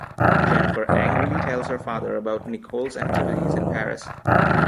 Jennifer angrily tells her father about Nichole's activities in Paris.